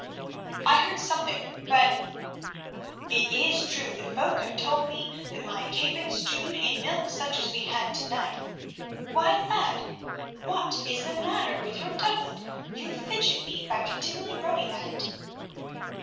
"I heard something, but——" "It is true that folk have told me that my capon stewed in milk, such as we had to night—Why, lad, what is the matter with your doublet? You fidget me by continually rubbing at it."